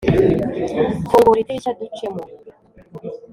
fungura idirishya ducemo